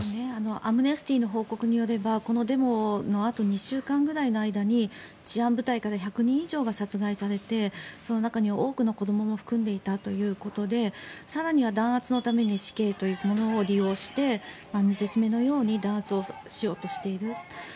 アムネスティの報告によればこのデモのあと２週間ぐらいの間に治安部隊から１００人以上が殺害されてその中には多くの子どもも含んでいたということで更には弾圧のために死刑ということを利用して見せしめのように弾圧をしようとしている。